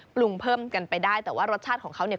ปรุงเพิ่มกันไปได้แต่ว่ารสชาติของเขาเนี่ย